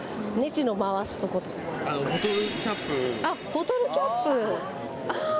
ボトルキャップああ！